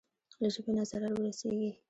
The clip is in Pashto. له ژبې نه ضرر ورسېږي.